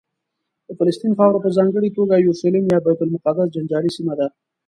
د فلسطین خاوره په ځانګړې توګه یورشلیم یا بیت المقدس جنجالي سیمه ده.